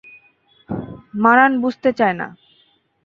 মারান বুঝতে চায় না।